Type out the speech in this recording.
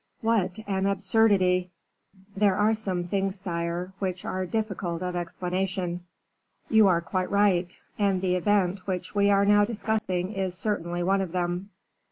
What an absurdity!" "There are some things, sire, which are difficult of explanation." "You are quite right, and the event which we are now discussing is certainly one of them.